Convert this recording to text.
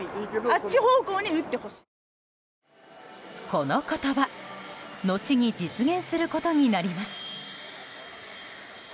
この言葉後に実現することになります。